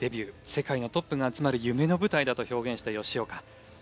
世界のトップが集まる夢の舞台だと表現した吉岡。